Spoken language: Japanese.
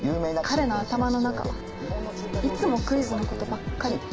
彼の頭の中はいつもクイズの事ばっかりで。